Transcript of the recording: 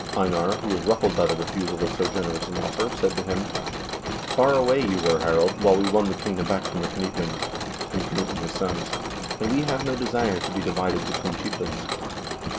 Einar, who was ruffled by the refusal of so generous an offer, said to him: "Far away you were, Harald, while we won the kingdom back from the Knytlings (King Knut and his sons), and we have no desire to be divided between chieftains.